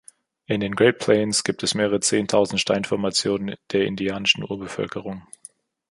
In den Great Plains gibt es mehrere zehntausend Steinformationen der indianischen Urbevölkerung.